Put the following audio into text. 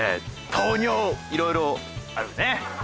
いろいろあるね。